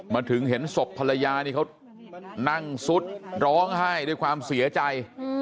เห็นศพภรรยานี่เขานั่งซุดร้องไห้ด้วยความเสียใจ